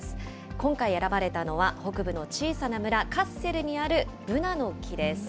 今回選ばれたのは、北部の小さな村、カッセルにあるブナの木です。